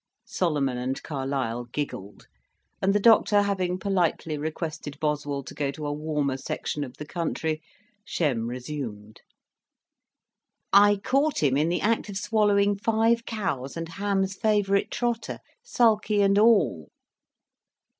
Solomon and Carlyle giggled; and the Doctor having politely requested Boswell to go to a warmer section of the country, Shem resumed. "I caught him in the act of swallowing five cows and Ham's favorite trotter, sulky and all."